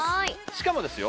しかもですよ